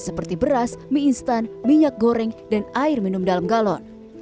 seperti beras mie instan minyak goreng dan air minum dalam galon